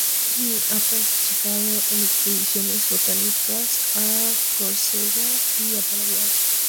Ha participado de expediciones botánicas a Córcega, y a Paraguay